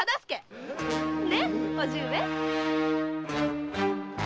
ねっ叔父上。